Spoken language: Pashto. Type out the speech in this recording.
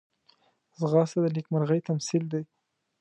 ځغاسته د نېکمرغۍ تمثیل دی